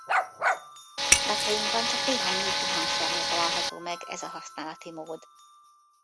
Napjainkban csak néhány népi hangszernél található meg ez a használati mód.